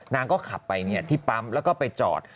นางก็ขับไปที่ปั๊มแล้วก็ไปจอด